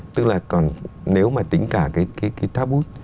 tức là còn nếu mà tính cả cái tháp bút